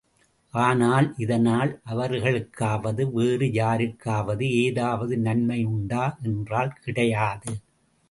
ஆனால், இதனால், அவர்களுக்காவது, வேறு யாருக்காவது ஏதாவது நன்மையுண்டா என்றால் கிடையாது.